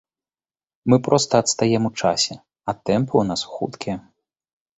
Мы проста адстаем у часе, а тэмпы ў нас хуткія.